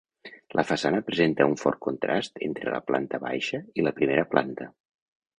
La façana presenta un fort contrast entre la planta baixa i la primera planta.